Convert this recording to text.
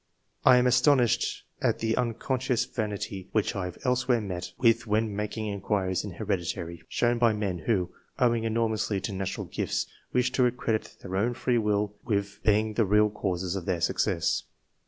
I am astonished at the unconscious vanity which L 2 148 ENGLISH MEN OF SCIENCE. [chap. I have elsewhere met with when making in quiries in heredity, shown by men who, owing enormously to natural gifts, wish to accredit their own free will with being the real causes of their success.